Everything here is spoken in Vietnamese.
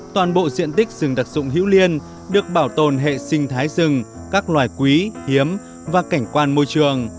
toàn bộ diện tích rừng đặc dụng hữu liên được bảo tồn hệ sinh thái rừng các loài quý hiếm và cảnh quan môi trường